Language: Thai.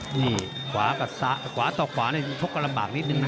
นี่ขวาต่อขวาชกกระลำบากนิดนึงนะ